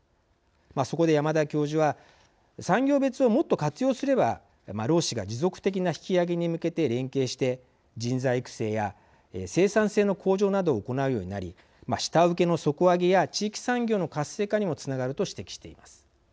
そこで山田教授は産業別をもっと活用すれば労使が持続的な引き上げに向けて連携して人材育成や生産性の向上などを行うようになり下請けの底上げや地域産業の活性化にもつながると指摘しています。